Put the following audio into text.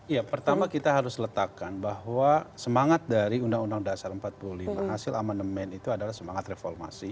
ya pertama kita harus letakkan bahwa semangat dari undang undang dasar empat puluh lima hasil amandemen itu adalah semangat reformasi